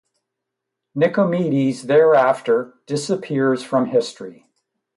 Nicomedes thereafter disappears from history.